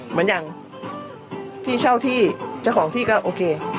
เหมือนอย่างพี่เช่าที่เจ้าของที่ก็โอเค